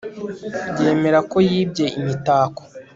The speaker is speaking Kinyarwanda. Yemera ko yibye imitako